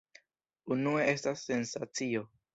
Unue estas sensacio.